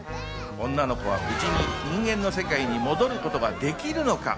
女の子は無事に人間の世界に戻ることができるのか？